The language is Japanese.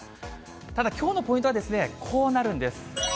ただ、きょうのポイントはこうなるんです。